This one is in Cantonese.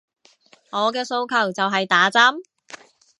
我嘅訴求就係打針